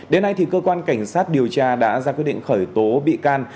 đến nay cơ quan cảnh sát điều tra đã ra quyết định khởi tố bị can